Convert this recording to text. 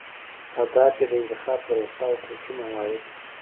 اهداف یې د انتخاب پروسه او حقوقي موارد دي.